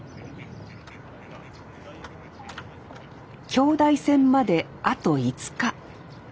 京大戦まであと５日。